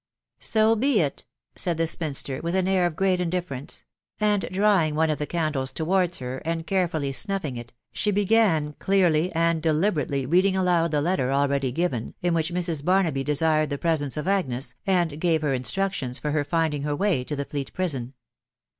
"So. be it," said the spinster mfo wl w *A sr^Ss^fflstK «m*V and drawing one of Ae candles ^w^W, %sA> THB WIDOW BABNABT. 3Qt fully snuffing it, she began clearly and deliberately reading aloud the letter already given, in which Mrs. Barnaby desired the presence of Agnes, and gave her instructions for her find ing her way to the Fleet Prison.